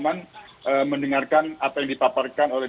mendengarkan apa yang dipaparkan oleh